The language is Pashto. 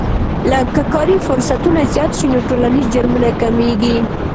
که کاري فرصتونه زیات شي نو ټولنیز جرمونه کمیږي.